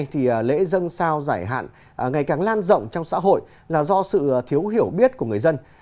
thì lễ dân sao giải hạn ngày càng lan rộng trong xã hội là do sự thiếu hiểu biết của người dân